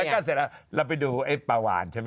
แล้วก็เสร็จแล้วเราไปดูไอ้ปาวานใช่มั้ยคะ